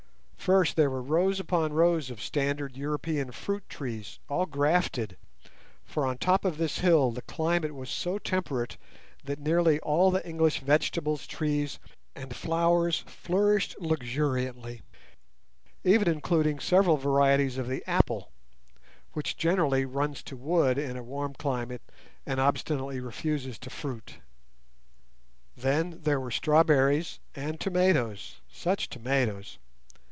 First there were rows upon rows of standard European fruit trees, all grafted; for on top of this hill the climate was so temperate that nearly all the English vegetables, trees, and flowers flourished luxuriantly, even including several varieties of the apple, which, generally, runs to wood in a warm climate and obstinately refuses to fruit. Then there were strawberries and tomatoes (such tomatoes!)